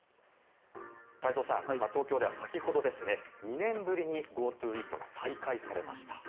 太蔵さん、東京では先ほど２年ぶりにＧｏＴｏイートが再開されました。